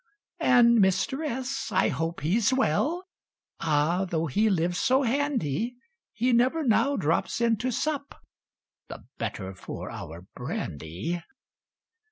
"And Mr. S., I hope he's well, Ah! though he lives so handy, He never now drops in to sup (The better for our brandy!)